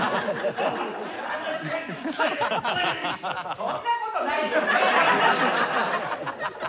そんなことないよね。